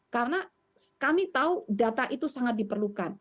karena kami tahu data itu sangat diperlukan